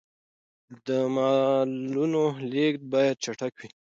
د مالونو لېږد باید چټک وي.